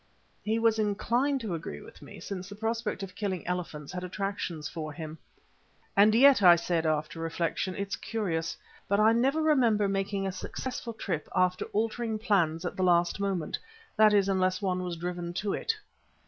He was inclined to agree with me, since the prospect of killing elephants had attractions for him. "And yet," I said, after reflection, "it's curious, but I never remember making a successful trip after altering plans at the last moment, that is, unless one was driven to it."